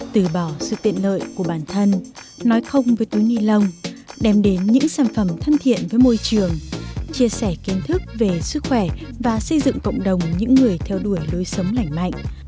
từ bỏ sự tiện lợi của bản thân nói không với túi ni lông đem đến những sản phẩm thân thiện với môi trường chia sẻ kiến thức về sức khỏe và xây dựng cộng đồng những người theo đuổi lối sống lành mạnh